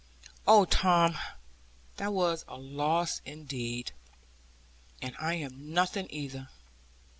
'Oh, Tom, that was a loss indeed. And I am nothing either.